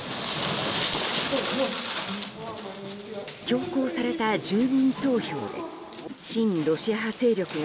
強行された住民投票で親ロシア派勢力